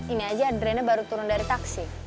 ini aja drainnya baru turun dari taksi